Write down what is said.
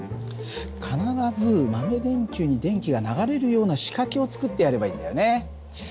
必ず豆電球に電気が流れるような仕掛けを作ってやればいいんだよね。